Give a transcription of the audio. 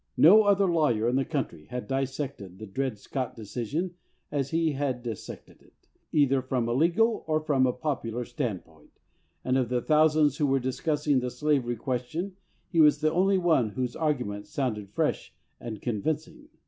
No other lawyer in the country had dissected the Dred Scott decision as he had dissected it, either from a legal or from a popular standpoint, and of the thousands who were discussing the slavery question he was the only one whose argument sounded fresh and convincing.